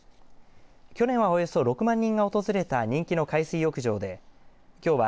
去年は、およそ６万人が訪れた人気の海水浴場できょうは。